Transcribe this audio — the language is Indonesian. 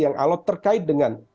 yang alat terkait dengan